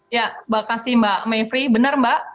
ya makasih mbak mayfri benar mbak